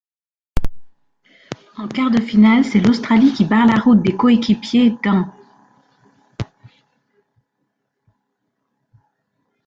En quarts de finale, c'est l'Australie qui barre la route des coéquipiers d'An.